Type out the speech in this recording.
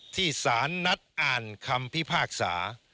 ที่สารนัดอ่านคำพิพากษา